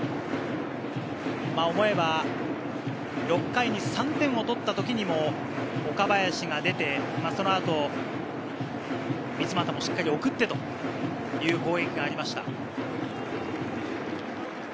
６回に３点を取った時にも岡林が出てそのあと三ツ俣もしっかり送ってという攻撃がありました。